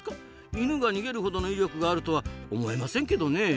イヌが逃げるほどの威力があるとは思えませんけどねえ。